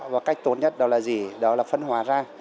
và cách tốt nhất đó là gì đó là phân hóa ra